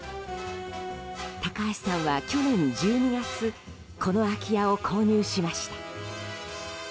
高橋さんは、去年１２月この空き家を購入しました。